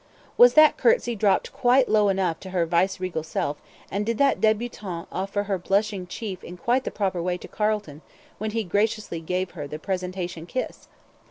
Was that curtsy dropped quite low enough to her viceregal self, and did that debutante offer her blushing cheek in quite the proper way to Carleton when he graciously gave her the presentation kiss?